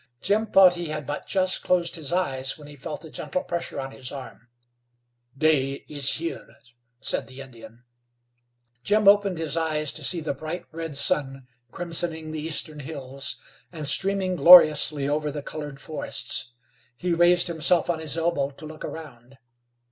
Jim thought he had but just closed his eyes when he felt a gentle pressure on his arm. "Day is here," said the Indian. Jim opened his eyes to see the bright red sun crimsoning the eastern hills, and streaming gloriously over the colored forests. He raised himself on his elbow to look around.